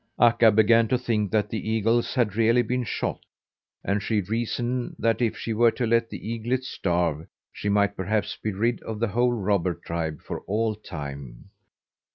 Akka began to think that the eagles had really been shot, and she reasoned that if she were to let the eaglet starve she might perhaps be rid of the whole robber tribe for all time.